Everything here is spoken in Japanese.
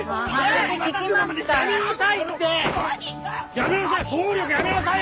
やめなさい！